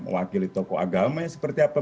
mewakili tokoh agamanya seperti apa